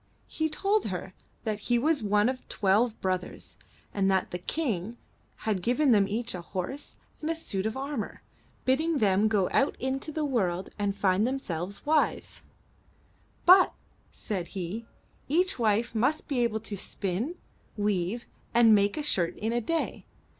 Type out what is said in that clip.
He told her that he was one of twelve brothers, and that the King had given them each a horse and a suit of armor, bidding them go out into the world and find themselves wives. But,*' said he, each wife must be able to spin, weave, and make a shirt in a day.